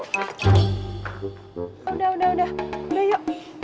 udah udah udah udah yuk